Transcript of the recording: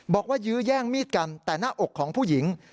บอกว่ายื้อย่างมีดก่ำแต่หน้าอกของผู้หญิง